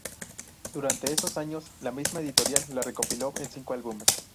Durante esos años, la misma editorial la recopiló en cinco álbumes.